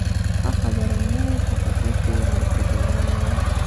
ښه خبر نه و، حقیقي پېغلې، که جګړه نه وای.